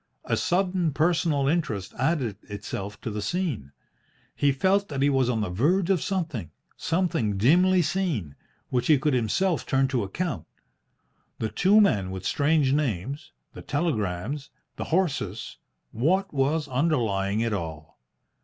A sudden personal interest added itself to the scene. He felt that he was on the verge of something something dimly seen which he could himself turn to account. The two men with strange names, the telegrams, the horses what was underlying it all?